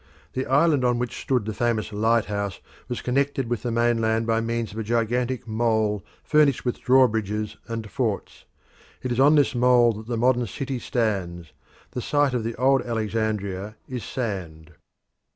The island on which stood the famous lighthouse was connected with the mainland by means of a gigantic mole furnished with drawbridges and forts. It is on this mole that the modern city stands the site of the old Alexandria is sand.